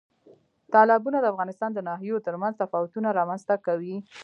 تالابونه د افغانستان د ناحیو ترمنځ تفاوتونه رامنځ ته کوي.